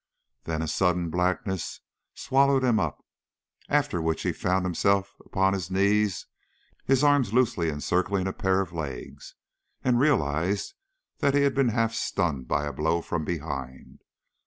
Then a sudden blackness swallowed him up, after which he found himself upon his knees, his arms loosely encircling a pair of legs, and realized that he had been half stunned by a blow from behind.